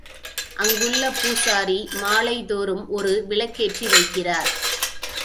அங்குள்ள பூசாரி மாலைதோறும் ஒரு விளக்கேற்றி வைக்கிறார்.